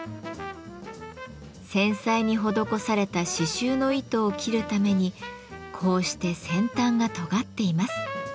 繊細に施された刺しゅうの糸を切るためにこうして先端がとがっています。